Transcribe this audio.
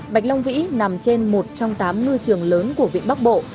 bạch long vĩ nằm trên một trong tám ngư trường lớn của vịnh bắc bộ